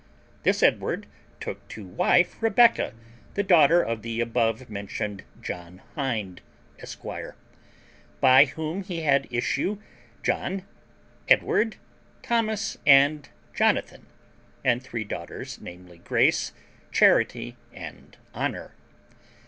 This Edward took to wife Rebecca, the daughter of the above mentioned John Hind, esq., by whom he had issue John, Edward, Thomas, and Jonathan, and three daughters, namely, Grace, Charity, and Honour.